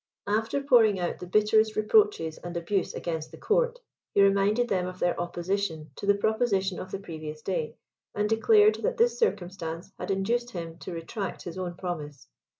After pouring out the bitterest reproaches and abuse against the court, he reminded them of their opposition to the proposition of the previous day, and declared that this circumstance had induced him to retract his own promise.